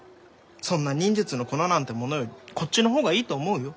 そんな忍術の粉なんてものよりこっちの方がいいと思うよ。